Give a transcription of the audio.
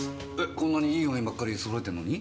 こんなにいいワインばっかり揃えてるのに？